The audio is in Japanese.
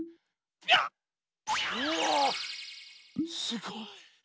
すごい。